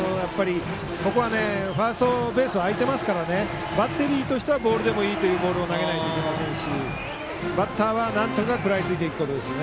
ファーストベースが空いてますからバッテリーとしてはボールでもいいというボールを投げなきゃいけませんしバッターはなんとか食らいついていくことです。